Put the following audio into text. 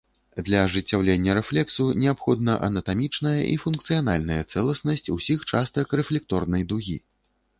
Для ажыццяўлення рэфлексу неабходна анатамічная і функцыянальная цэласнасць усіх частак рэфлекторнай дугі.